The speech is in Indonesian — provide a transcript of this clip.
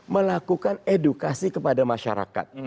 melakukan edukasi kepada masyarakat